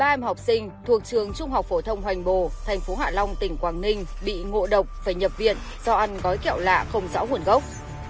ba em học sinh thuộc trường trung học phổ thông hoành bồ thành phố hạ long tỉnh quảng ninh bị ngộ độc phải nhập viện do ăn gói kẹo lạ không rõ nguồn gốc